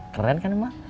keren kan mak